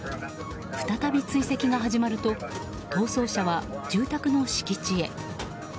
再び追跡が始まると逃走車は、住宅の敷地へ。